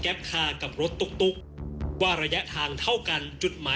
เออแล้วก็เคยเห็นมาก่อนนะ